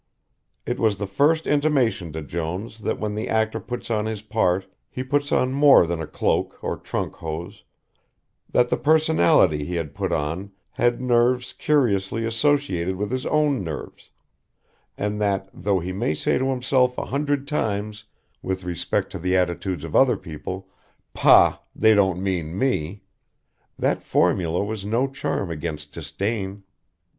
It was the first intimation to Jones that when the actor puts on his part he puts on more than a cloak or trunk hose, that the personality he had put on had nerves curiously associated with his own nerves, and that, though he might say to himself a hundred times with respect to the attitudes of other people, "Pah! they don't mean me," that formula was no charm against disdain.